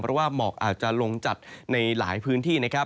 เพราะว่าหมอกอาจจะลงจัดในหลายพื้นที่นะครับ